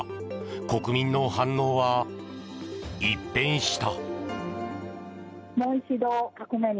国民の反応は一変した。